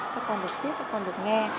các con được viết các con được nghe